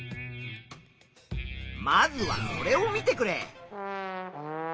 まずはこれを見てくれ。